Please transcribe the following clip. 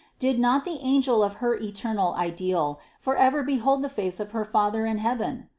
did not the angel of her eternal Ideal for ever behold the face of her Father in heaven?